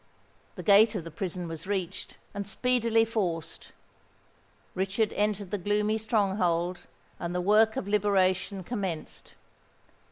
The gate of the prison was reached, and speedily forced: Richard entered the gloomy stronghold, and the work of liberation commenced.